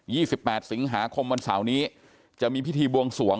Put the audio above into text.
ี่สิบแปดสิงหาคมวันเสาร์นี้จะมีพิธีบวงสวง